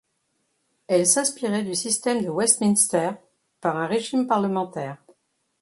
Elle s'inspirait du Système de Westminster, par un régime parlementaire.